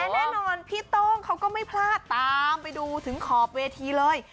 แน่นอนพี่โต้งเขาก็ไม่พลาดตามไปดูถึงขอบเวทีเลย